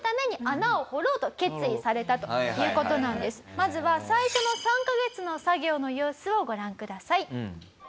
まずは最初の３カ月の作業の様子をご覧ください。